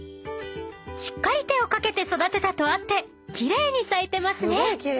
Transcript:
［しっかり手を掛けて育てたとあって奇麗に咲いてますね］